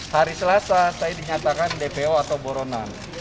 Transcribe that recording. hari selasa saya dinyatakan dpo atau buronan